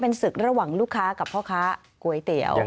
เป็นศึกระหว่างลูกค้ากับพ่อค้าก๋วยเตี๋ยว